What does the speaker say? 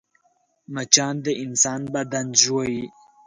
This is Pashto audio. مچان د انسان بدن ژوي